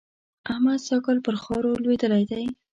احمد سږ کال پر خاورو لوېدلی دی.